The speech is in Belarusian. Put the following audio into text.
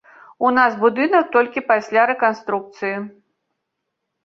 У нас будынак толькі пасля рэканструкцыі.